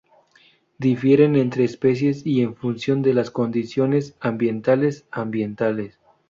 Difieren entre especies y en función de las condiciones ambientales ambientales.